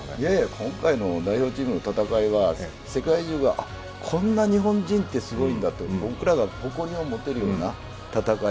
今回の代表チームの戦いは世界中がこんな日本人ってすごいんだと僕らが誇りを持てるような戦い。